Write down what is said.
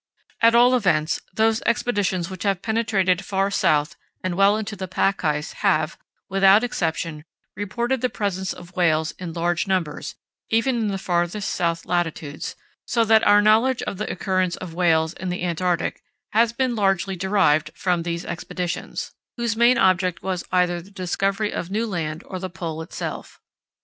At all events, those Expeditions which have penetrated far south and well into the pack ice have, without exception, reported the presence of whales in large numbers, even in the farthest south latitudes, so that our knowledge of the occurrence of whales in the Antarctic has been largely derived from these Expeditions, whose main object was either the discovery of new land or the Pole itself.